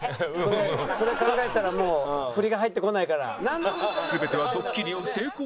それ考えたらもう振りが入ってこないから。